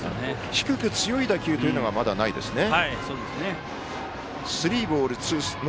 低く強い打球というのがまだ、ないですね。